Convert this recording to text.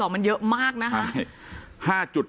มันเยอะมากนะคะ